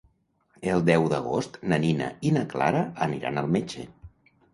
El deu d'agost na Nina i na Clara aniran al metge.